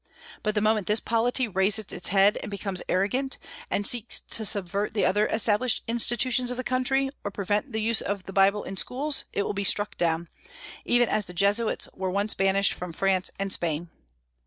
But the moment this polity raises its head and becomes arrogant, and seeks to subvert the other established institutions of the country or prevent the use of the Bible in schools, it will be struck down, even as the Jesuits were once banished from France and Spain.